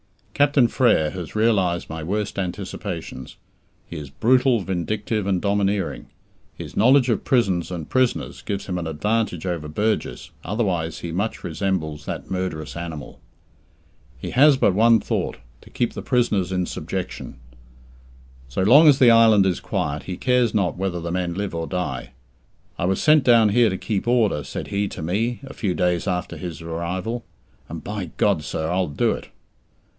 Captain Frere has realized my worst anticipations. He is brutal, vindictive, and domineering. His knowledge of prisons and prisoners gives him an advantage over Burgess, otherwise he much resembles that murderous animal. He has but one thought to keep the prisoners in subjection. So long as the island is quiet, he cares not whether the men live or die. "I was sent down here to keep order," said he to me, a few days after his arrival, "and by God, sir, I'll do it!"